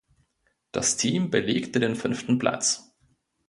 Das Team belegte den fünften Platz.